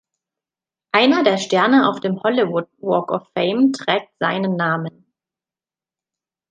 Einer der Sterne auf dem Hollywood Walk of Fame trägt seinen Namen.